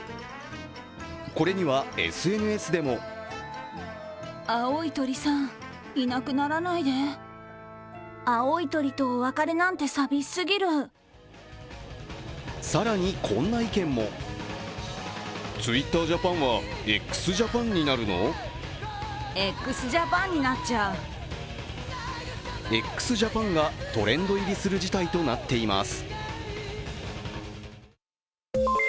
これにはＳＮＳでも更に、こんな意見もＸＪＡＰＡＮがトレンド入りする事態となっています。